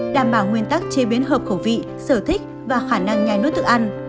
đảm bảo nguyên tắc chế biến hợp khẩu vị sở thích và khả năng nhai nước tự ăn